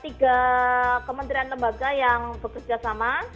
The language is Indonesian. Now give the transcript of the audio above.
tiga kementerian lembaga yang bekerja sama